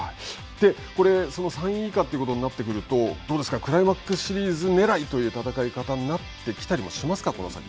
この３位以下ということになってくると、どうですか、クライマックスシリーズねらいという戦い方になってきたりしますか、この先。